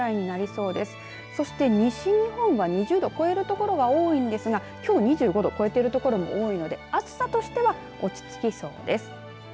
そして西日本は２０度を超える所が多いんですがきょう２５度超えてる所も多いので暑さとしては落ち着きそうです。